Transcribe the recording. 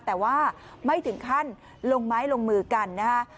แต่ว่าไม่ถึงขั้นลงไม้ลงมือกันนะฮะ